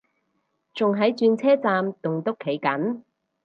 仲喺轉車站棟篤企緊